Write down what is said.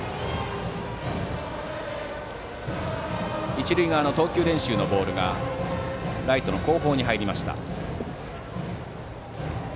一塁側の投球練習のボールがライトの後方に入りました。